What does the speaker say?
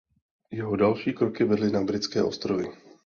Jeho další kroky vedly na Britské ostrovy.